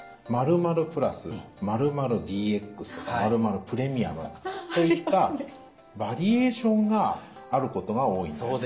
「○○プラス」「○○ＥＸ」とか「○○プレミアム」といったバリエーションがあることが多いんです。